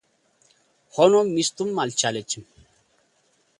ሆኖም ሚስቱም አልቻለችም፡፡